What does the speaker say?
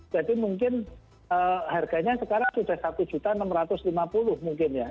jadi mungkin harganya sekarang sudah rp satu enam ratus lima puluh mungkin ya